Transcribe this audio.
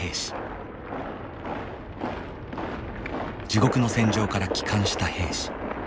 地獄の戦場から帰還した兵士。